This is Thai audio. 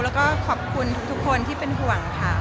แล้วก็ขอบคุณทุกคนที่เป็นห่วงค่ะ